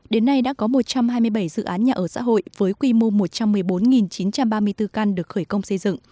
đến nay đã có một trăm hai mươi bảy dự án nhà ở xã hội với quy mô một trăm một mươi bốn chín trăm ba mươi bốn căn được khởi công xây dựng